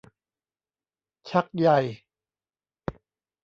ชักใย